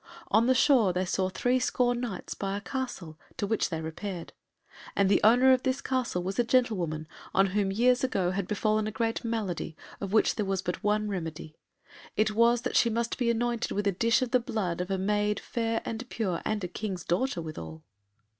On the shore they saw three score Knights by a castle to which they repaired. And the owner of this castle was a gentlewoman on whom years ago had befallen a great malady of which there was but one remedy. It was that she must be anointed with a dish of the blood of a maid pure and fair, and a King's daughter withal.